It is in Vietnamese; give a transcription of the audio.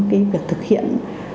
cái việc thực hiện